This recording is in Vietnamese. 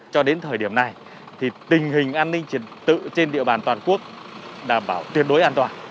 cho đến thời điểm này tình hình an ninh trật tự trên địa bàn toàn quốc đảm bảo tuyệt đối an toàn